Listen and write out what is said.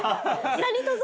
何とぞ。